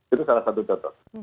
itu salah satu contoh